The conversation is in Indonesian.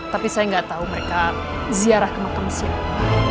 tapi saya gak tau mereka ziarah ke makam siapa